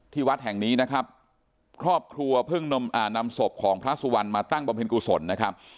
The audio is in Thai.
วัดแห่งนี้นะครับครอบครัวเพิ่งนำศพของพระสุวรรณมาตั้งบำเพ็ญกุศลนะครับ